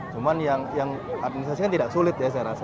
cuma yang administrasi kan tidak sulit ya saya rasa